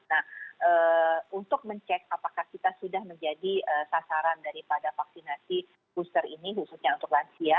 nah untuk mencek apakah kita sudah menjadi sasaran daripada vaksinasi booster ini khususnya untuk lansia